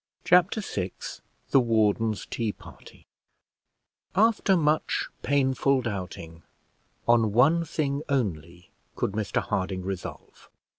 Chapter VI THE WARDEN'S TEA PARTY After much painful doubting, on one thing only could Mr Harding resolve.